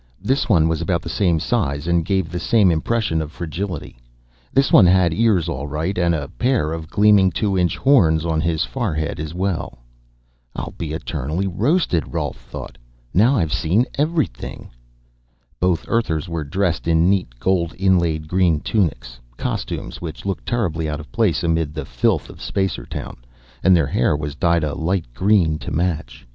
This one was about the same size, and gave the same impression of fragility. This one had ears, all right and a pair of gleaming, two inch horns on his forehead as well. I'll be eternally roasted, Rolf thought. Now I've seen everything. Both Earthers were dressed in neat, gold inlaid green tunics, costumes which looked terribly out of place amid the filth of Spacertown, and their hair was dyed a light green to match.